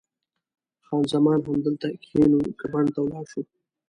خان زمان: همدلته کښېنو که بڼ ته ولاړ شو؟